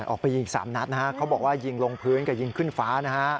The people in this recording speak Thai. ออกไปยิง๓นัดเขาบอกว่ายิงลงพื้นกับยิงขึ้นฟ้า